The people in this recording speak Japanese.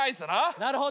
なるほど。